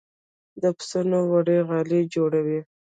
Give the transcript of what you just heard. د پسونو وړۍ غالۍ جوړوي